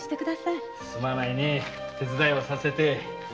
すまないね手伝わせて。